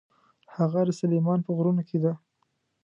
هغه د سلیمان په غرونو کې ده.